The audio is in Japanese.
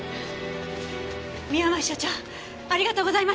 宮前所長ありがとうございました！